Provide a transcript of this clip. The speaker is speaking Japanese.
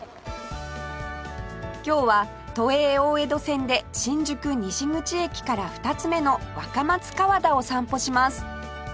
今日は都営大江戸線で新宿西口駅から２つ目の若松河田を散歩します